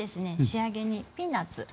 仕上げにピーナツ。